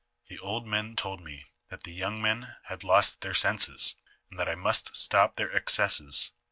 The old men told me that the young men had lost their senses, and that I must stop their excesses.